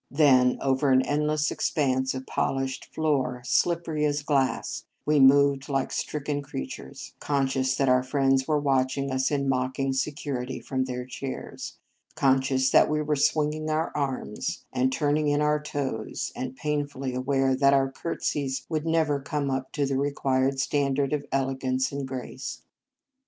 Then, over an endless expanse of polished floor, slippery as glass, we moved like stricken creatures; conscious that our friends were watching us in mocking security from their chairs; conscious that we were swinging our arms and 165 In Our Convent Days turning in our toes; and painfully aware that our curtsies would never come up to the required standard of elegance and grace.